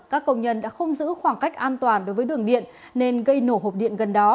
các công nhân đã không giữ khoảng cách an toàn đối với đường điện nên gây nổ hộp điện gần đó